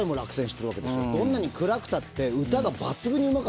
どんなに暗くたって。